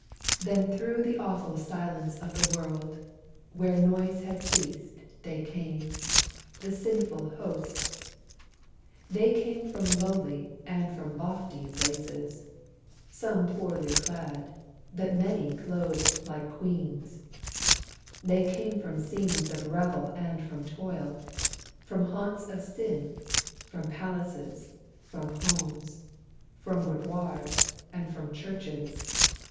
Then through the awful silence of the world, Where noise had ceased, they came— The sinful hosts. They came from lowly and from lofty places, Some poorly clad, but many clothed like queens; They came from scenes of revel and from toil; From haunts of sin, from palaces, from homes, From boudoirs, and from churches.